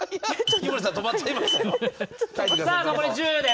井森さん、止まっちゃいましたよ。